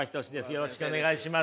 よろしくお願いします。